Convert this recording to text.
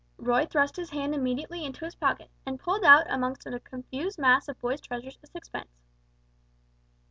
Roy thrust his hand immediately into his pocket, and pulled out amongst a confused mass of boys' treasures a sixpence.